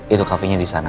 itu kafenya di sana